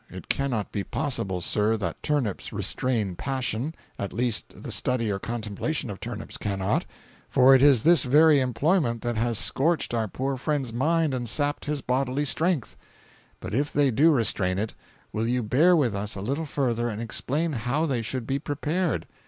It cannot be possible, Sir, that 'turnips restrain passion'—at least the study or contemplation of turnips cannot—for it is this very employment that has scorched our poor friend's mind and sapped his bodily strength.—But if they do restrain it, will you bear with us a little further and explain how they should be prepared?